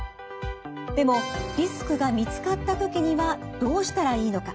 でもリスクが見つかった時にはどうしたらいいのか。